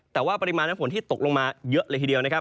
แต่ว่าปริมาณน้ำฝนที่ตกลงมาเยอะเลยทีเดียวนะครับ